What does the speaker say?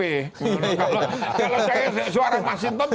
kalau saya suara masintop